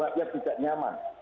buat rakyat tidak nyaman